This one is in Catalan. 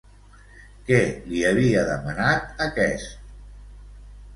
Què li havia demanat aquest?